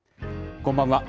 こんばんは。